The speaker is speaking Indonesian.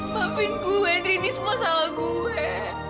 maafin gue diri ini semua salah gue